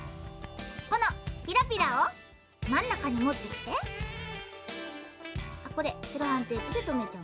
このピラピラをまんなかにもってきてセロハンテープでとめちゃう。